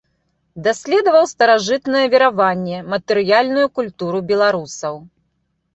Даследаваў старажытныя вераванні, матэрыяльную культуру беларусаў.